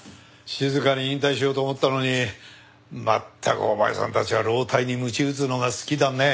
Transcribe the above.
静かに引退しようと思ったのにまったくお前さんたちは老体にむち打つのが好きだね。